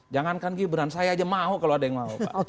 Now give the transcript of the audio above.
jangankan gibran saya aja mau kalau ada yang mau pak